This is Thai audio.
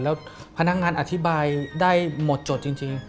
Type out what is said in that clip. แล้วพนักงานอธิบายได้หมดจดจริง